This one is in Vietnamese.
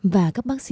và các bác sĩ hợp